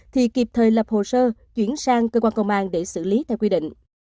thì kịp thời lập hồ sơ chuyển sang cơ quan công an để xử lý theo quy định